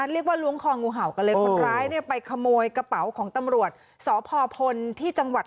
เรียกว่าล้วงของุเหาะกะเล็กคนร้ายไปขโมยกระเป๋าของตำรวจ